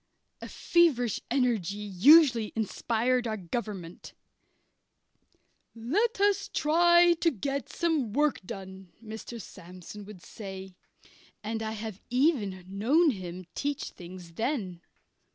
A feverish energy usually inspired our government. "Let us try to get some work done," Mr. Sandsome would say and I have even known him teach things then.